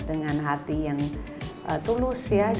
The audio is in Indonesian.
dengan hati yang tulus ya